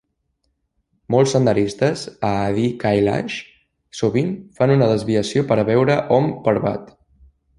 Molts senderistes a Adi Kailash sovint fan una desviació per veure Om Parvat.